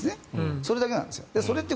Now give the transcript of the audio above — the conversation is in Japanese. それだけなんです。